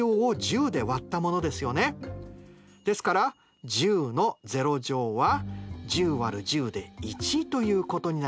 ですから１０は１０÷１０で１ということになりますね。